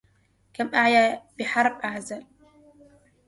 كم أعيا بحرب أعزل